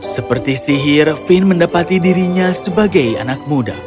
seperti sihir fin mendapati dirinya sebagai anak muda